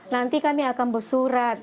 nanti kami akan bersurat